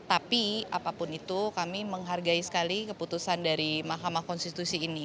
tapi apapun itu kami menghargai sekali keputusan dari mahkamah konstitusi ini